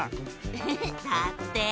ウフフだって！